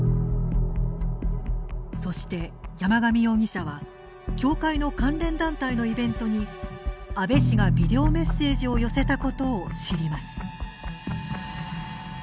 そして、山上容疑者は教会の関連団体のイベントに安倍氏がビデオメッセージを寄せたことを知ります。